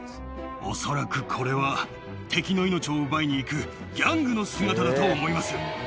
恐らくこれは、敵の命を奪いに行くギャングの姿だと思います。